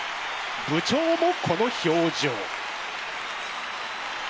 部長もこの表情。